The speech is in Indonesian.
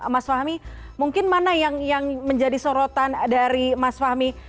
mas fahmi mungkin mana yang menjadi sorotan dari mas fahmi